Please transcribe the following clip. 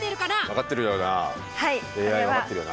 分かってるよな。